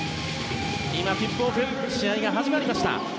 今、ティップオフ試合が始まりました。